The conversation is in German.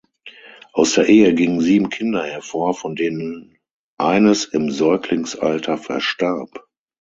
Aus der Ehe gingen sieben Kinder hervor, von denen eines im Säuglingsalter verstarb.